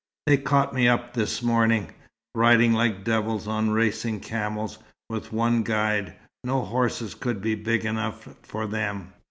They caught me up this morning, riding like devils on racing camels, with one guide. No horses could be got big enough for them.